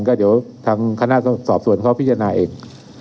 ก็เดี๋ยวทางคณะสอบสวนเขาพิจารณาเอง